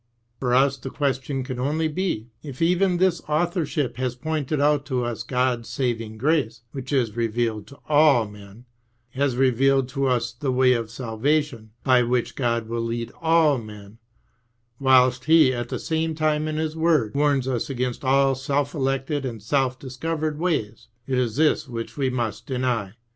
For us the question can only be, if even this authorship has pointed out to us God's saving grace, which is revealed to all men, has revealed to us the way of salvation, by which God will lead all men, whilst Pie at the same time in His word warns us against all self elected and self discovered ways. It is this which we must deny.